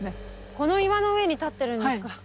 この岩の上に立ってるんですか。